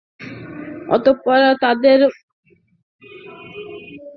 তারপর তোমাদের প্রত্যাবর্তনতো আমার নিকটই রয়েছে।